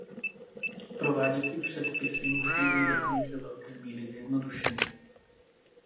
Prováděcí předpisy musejí být rovněž do velké míry zjednodušeny.